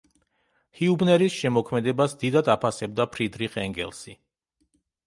ჰიუბნერის შემოქმედებას დიდად აფასებდა ფრიდრიხ ენგელსი.